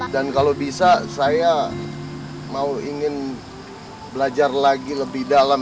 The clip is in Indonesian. dan kalau bisa saya mau ingin belajar lagi lebih dalam